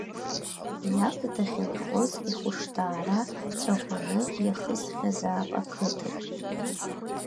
Иаб дахьынхоз, ихәышҭаара цәаӷәаны иахысхьазаап ақыҭаҿ.